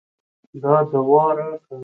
دا دوا راکه.